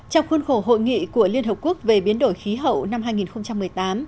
trong khuôn khổ hội nghị của liên hợp quốc về biến đổi khí hậu năm hai nghìn một mươi tám